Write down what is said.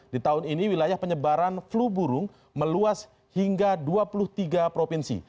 di tahun ini wilayah penyebaran flu burung meluas hingga dua puluh tiga provinsi